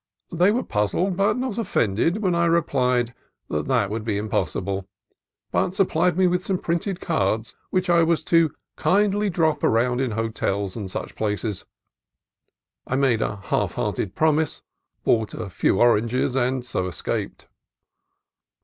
They were puzzled, but not offended, when I replied that that would be impossible, but supplied me with some printed cards which I was to "kinder drop around in hotels and sich places." I made a half hearted promise, bought a few oranges, and so escaped.